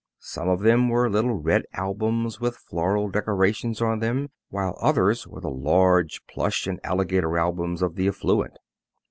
Some of them were little red albums with floral decorations on them, while others were the large plush and alligator albums of the affluent.